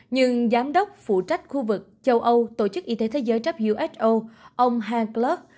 nhưng giám đốc phụ trách khu vực châu âu tổ chức y tế thế giới who ông hank lutz